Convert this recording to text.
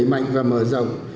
đẩy mạnh và mở rộng